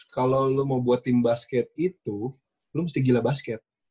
kalau lo mau buat tim basket itu lo mesti gila basket